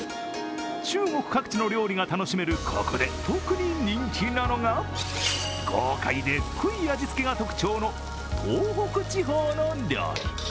中国各地の料理が楽しめるここで特に人気なのが豪快で、濃い味付けが特徴の東北料理。